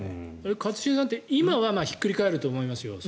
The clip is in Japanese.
一茂さん、今はひっくり返ると思いますよ